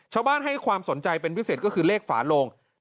ให้ความสนใจเป็นพิเศษก็คือเลขฝาโลง